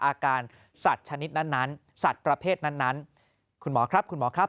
อาการสัตว์ชนิดนั้นสัตว์ประเภทนั้นคุณหมอครับคุณหมอครับ